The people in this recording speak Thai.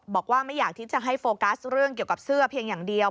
บอกว่าไม่อยากที่จะให้โฟกัสเรื่องเกี่ยวกับเสื้อเพียงอย่างเดียว